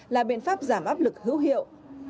là biện pháp giảm áp lực hữu hiệu